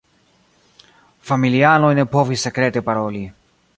Familianoj ne povis sekrete paroli.